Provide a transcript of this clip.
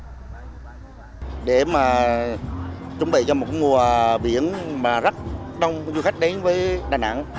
chúng tôi chuẩn bị cho một mùa biển mà rất đông du khách đến với đà nẵng